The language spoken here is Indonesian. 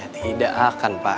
tidak akan pak